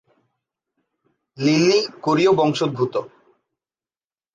Lily কোরীয় বংশোদ্ভূত।